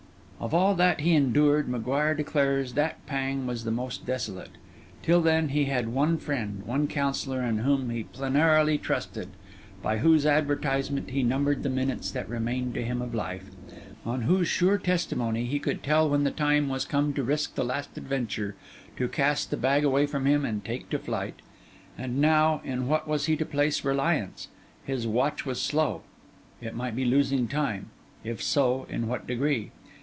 Of all that he endured, M'Guire declares that pang was the most desolate. Till then, he had had one friend, one counsellor, in whom he plenarily trusted; by whose advertisement, he numbered the minutes that remained to him of life; on whose sure testimony, he could tell when the time was come to risk the last adventure, to cast the bag away from him, and take to flight. And now in what was he to place reliance? His watch was slow; it might be losing time; if so, in what degree?